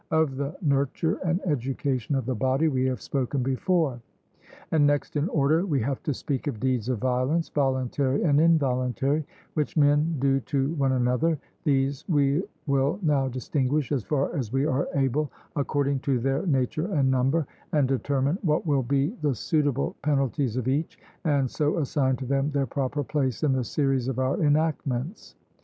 Of the nurture and education of the body we have spoken before, and next in order we have to speak of deeds of violence, voluntary and involuntary, which men do to one another; these we will now distinguish, as far as we are able, according to their nature and number, and determine what will be the suitable penalties of each, and so assign to them their proper place in the series of our enactments.